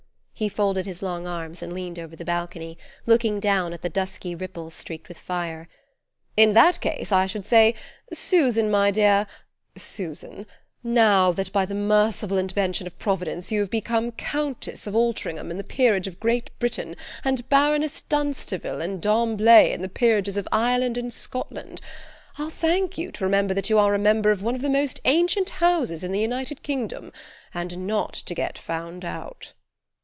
He folded his long arms and leaned over the balcony, looking down at the dusky ripples streaked with fire. "In that case I should say: 'Susan, my dear Susan now that by the merciful intervention of Providence you have become Countess of Altringham in the peerage of Great Britain, and Baroness Dunsterville and d'Amblay in the peerages of Ireland and Scotland, I'll thank you to remember that you are a member of one of the most ancient houses in the United Kingdom and not to get found out.